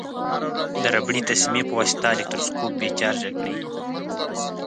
د ربړي تسمې په واسطه الکتروسکوپ بې چارجه کړئ.